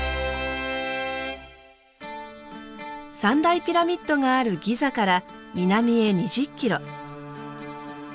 ３大ピラミッドがあるギザから南へ２０ｋｍ。